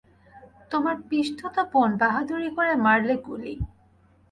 তোমার পিসতুত বোন বাহাদুরি করে মারলে গুলি।